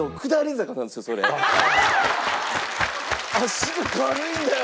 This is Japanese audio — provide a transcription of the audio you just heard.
「足が軽いんだよ！」。